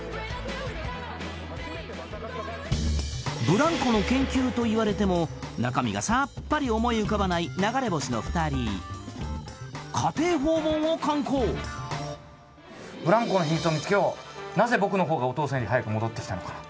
ブランコの研究といわれても中身がさっぱり思い浮かばない流れ星☆の２人家庭訪問を敢行ブランコの秘密を見つけようなぜ僕の方がお父さんより早く戻ってきたのかな